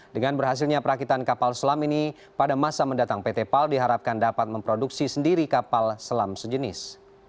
dengan berhasilnya perakitan kapal selam ini pada masa mendatang pt pal diharapkan dapat memproduksi sendiri kapal selam sejenis